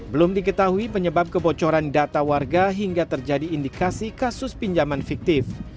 belum diketahui penyebab kebocoran data warga hingga terjadi indikasi kasus pinjaman fiktif